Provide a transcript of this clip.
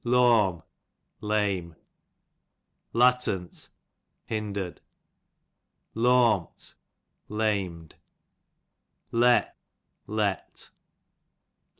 Lawm, lame. Lattent, hindered* Lawmt, lamed* Le, let.